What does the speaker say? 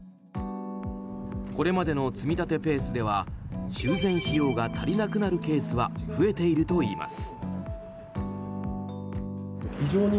これまでの積み立てペースでは修繕費用が足りなくなるケースは増えているといいます。